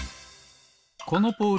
このポール